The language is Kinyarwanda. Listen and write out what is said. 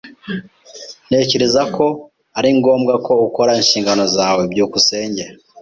Ntekereza ko ari ngombwa ko ukora inshingano zawe. byukusenge